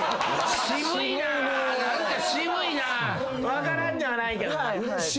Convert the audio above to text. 分からんではないけどな。